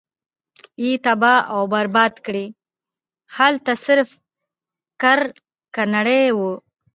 ئي تباه او برباد کړې!! هلته صرف کرکنړي او